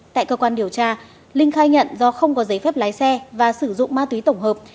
tại cơ quan điều tra linh khai nhận do không có giấy phép lái xe và sử dụng ma túy tổng hợp